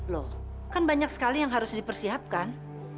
loh kan banyak sekali yang harus dipersiapkan